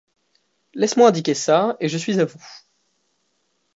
Laisse-moi indiquer ça, et je suis à vous.